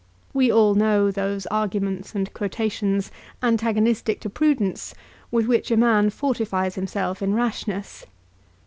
We all know those arguments and quotations, antagonistic to prudence, with which a man fortifies himself in rashness.